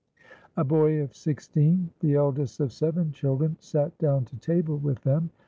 A boy of sixteen, the eldest of seven children, sat down to table with them.